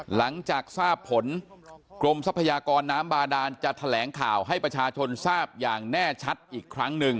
หลังจากทราบผลกรมทรัพยากรน้ำบาดานจะแถลงข่าวให้ประชาชนทราบอย่างแน่ชัดอีกครั้งหนึ่ง